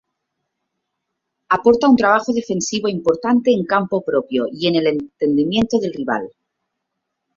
Aporta un trabajo defensivo importante en campo propio y en el entendimiento del rival.